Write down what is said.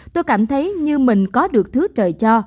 tôi cảm thấy như mình có được thứ trời cho